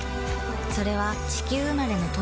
それは地球生まれの透明感